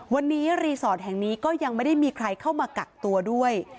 วันนี้รีสอร์ทแห่งนี้ก็ยังไม่ได้มีใครเข้ามากักตัวด้วย